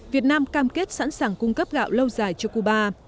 việt nam cam kết sẵn sàng cung cấp gạo lâu dài cho cuba